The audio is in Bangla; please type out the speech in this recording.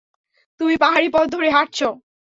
তুমি পাহাড়ি পথ ধরে হাঁটছো।